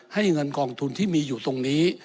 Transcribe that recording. เงินกองทุนที่มีอยู่ตรงนี้